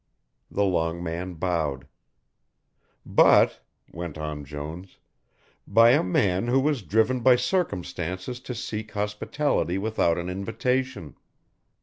The long man bowed. "But," went on Jones, "by a man who was driven by circumstances to seek hospitality without an invitation."